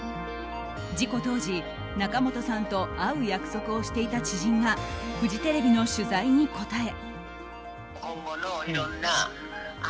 事故当時、仲本さんと会う約束をしていた知人がフジテレビの取材に答え。